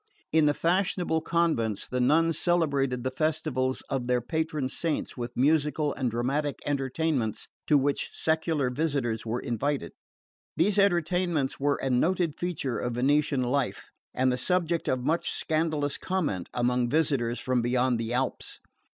In the fashionable convents the nuns celebrated the festivals of their patron saints with musical and dramatic entertainments to which secular visitors were invited. These entertainments were a noted feature of Venetian life, and the subject of much scandalous comment among visitors from beyond the Alps.